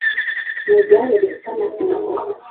Ni igare rifite amapine atatu